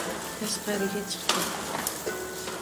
Tashqariga chiqdi.